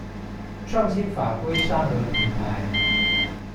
創新法規沙盒平台